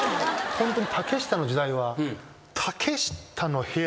ホントに。